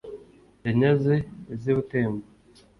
Yanyaze iz'i Butembo